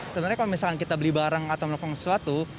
sebenarnya kalau misalkan kita beli barang atau melakukan sesuatu